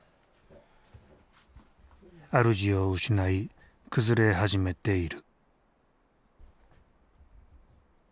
あるじを失い崩れ始めている。